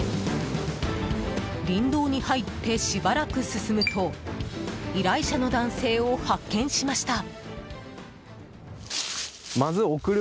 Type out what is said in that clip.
林道に入って、しばらく進むと依頼者の男性を発見しました。